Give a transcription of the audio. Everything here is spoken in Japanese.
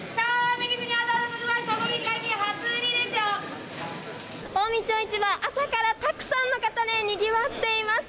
近江町市場、朝からたくさんの方でにぎわっています。